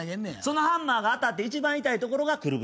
そのハンマーが当たって一番痛いところがくるぶし？